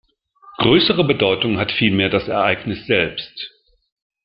Größere Bedeutung hat vielmehr das Ereignis selbst.